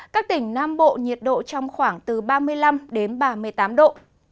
các tỉnh nam bộ nhiệt độ trong khoảng từ ba mươi năm đến ba mươi tám độ